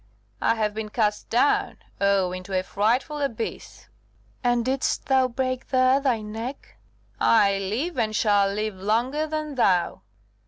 I have been cast down oh, into a frightful abyss!" "And didst thou break there thy neck?" "I live, and shall live longer than thou."